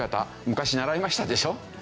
昔習いましたでしょ？